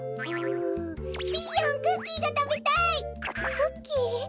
クッキー？